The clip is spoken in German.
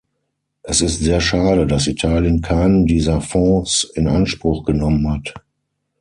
Es ist sehr schade, dass Italien keinen dieser Fonds in Anspruch genommen hat.